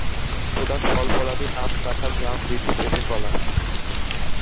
প্রধান ফল-ফলাদি: আম, কাঁঠাল, জাম, লিচু, পেঁপে, কলা।